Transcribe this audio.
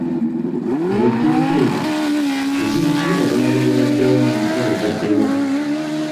Ng’oggyeeko ebyo, buzibu ki obulala obubaddewo mu nkola ebaddewo?